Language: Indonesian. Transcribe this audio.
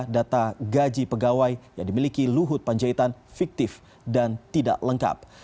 data gaji pegawai yang dimiliki luhut panjaitan fiktif dan tidak lengkap